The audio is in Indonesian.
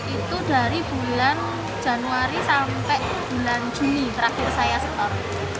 itu dari bulan januari sampai bulan juni terakhir saya store